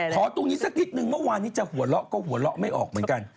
ตรงนี้สักนิดนึงเมื่อวานนี้จะหัวเราะก็หัวเราะไม่ออกเหมือนกัน